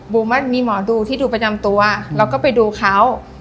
มีหมอดูที่ดูประจำตัวเราก็ไปดูเขา